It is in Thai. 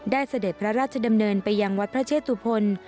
เสด็จพระราชดำเนินไปยังวัดพระเชตุพล